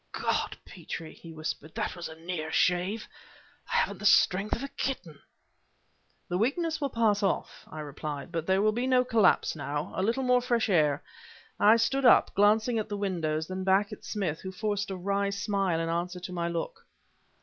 "God, Petrie!" he whispered, "that was a near shave! I haven't the strength of a kitten!" "The weakness will pass off," I replied; "there will be no collapse, now. A little more fresh air..." I stood up, glancing at the windows, then back at Smith, who forced a wry smile in answer to my look.